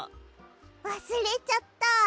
わすれちゃった。